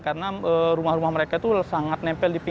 karena rumah rumah mereka itu sangat nempel di sana